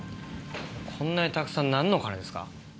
こんなにたくさんなんの金ですか？